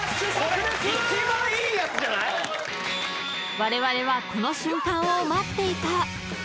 ［われわれはこの瞬間を待っていた］